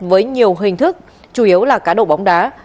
với nhiều hình thức chủ yếu là cá độ bóng đá